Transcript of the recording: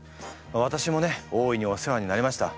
私もね大いにお世話になりました。